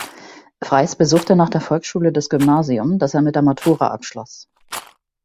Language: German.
Frais besuchte nach der Volksschule das Gymnasium, das er mit der Matura abschloss.